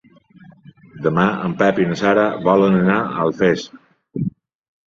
Demà en Pep i na Sara volen anar a Alfés.